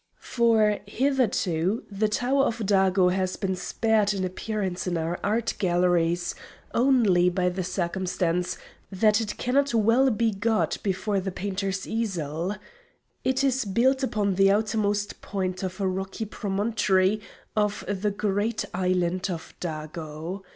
For hitherto the Tower of Dago has been spared an appearance in our art galleries only by the circumstance that it cannot well be got before the painter's easel. It is built upon the outermost point of a rocky promontory of the great island of Dago.